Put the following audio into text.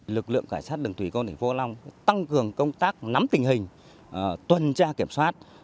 lực lượng cảnh sát đường thủy công thành phố hạ long tăng cường công tác nắm tình hình tuần tra kiểm soát